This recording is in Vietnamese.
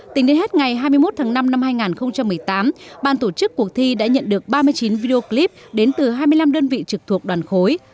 tính đến hết ngày hai mươi một tháng năm năm hai nghìn một mươi tám ban tổ chức cuộc thi đã nhận được ba mươi chín video clip đến từ hai mươi năm đơn vị trực thuộc đoàn khối